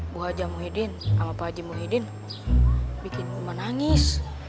bu hajah muhyiddin sama pak haji muhyiddin bikin mak nangis